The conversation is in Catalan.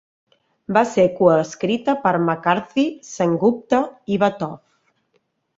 Va ser coescrita per McCarthy, Sen-Gupta i Vatoff.